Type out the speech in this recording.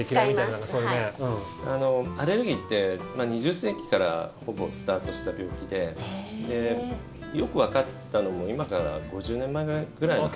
アレルギーって２０世紀からほぼスタートした病気でよくわかったのも今から５０年前くらいの話。